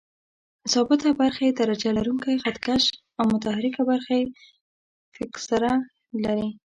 ثابته برخه یې درجه لرونکی خط کش او متحرکه برخه یې فکسره لري.